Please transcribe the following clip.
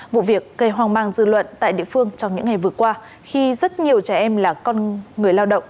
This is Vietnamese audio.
vụ việc gây hoang mang dư luận tại địa phương trong những ngày vừa qua khi rất nhiều trẻ em là con người lao động